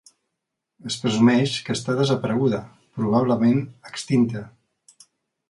Es presumeix que està desapareguda, probablement extinta.